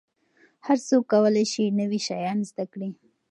هر څوک کولای سي نوي شیان زده کړي.